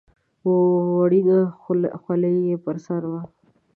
وړینه خولۍ یې پر سر وه.